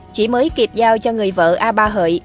chỉ mới kịp giao cho người vợ a ba hợi